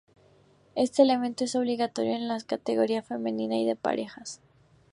Este elemento es obligatorio en las categoría femenina y de parejas.